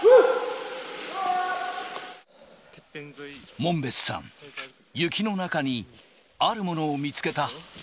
門別さん、雪の中にあるものを見つけた。